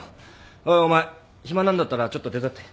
おいお前暇なんだったらちょっと手伝って。